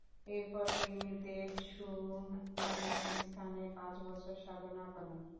এরপর তিনি দ্ব্যে-ছুং নামক স্থানে পাঁচ বছর সাধনা করেন।